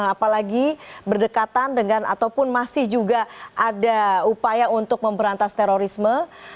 apalagi berdekatan dengan ataupun masih juga ada upaya untuk memberantas terorisme